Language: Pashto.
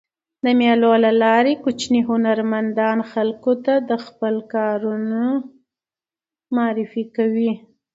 د مېلو له لاري کوچني هنرمندان خلکو ته خپل کارونه معرفي کوي.